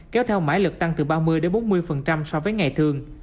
kéo theo mãi lực tăng từ ba mươi bốn mươi so với ngày thường